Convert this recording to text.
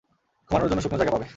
ঘুমানোর জন্য শুকনো জায়গা পাবে।